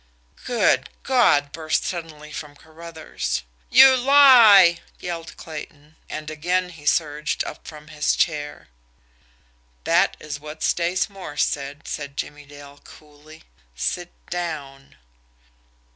"Good God!" burst suddenly from Carruthers. "You lie!" yelled Clayton and again he surged up from his chair. "That is what Stace Morse said," said Jimmie Dale coolly. "Sit down!"